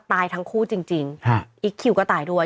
ตายทั้งคู่จริงอีคคิวก็ตายด้วย